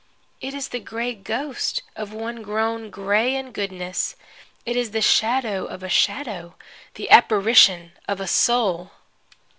It is the gray ghost of one grown gray in goodness. It is the shadow of a shadow, the apparition of a soul!